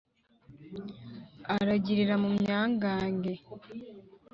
Aragirira mu myangange